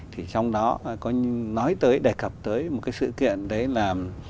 thì trong đó có nói tới đề cập tới một cái sự kiện đấy là